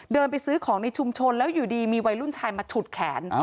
เดินไปซื้อของในชุมชนแล้วอยู่ดีมีวัยรุ่นชายมาฉุดแขน